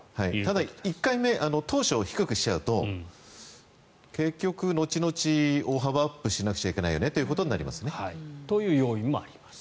ただ、１回目当初を低くしちゃうと結局、後々大幅アップしなくちゃいけないよねということになります。という要因もあります。